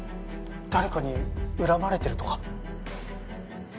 誰かに恨まれてるとか？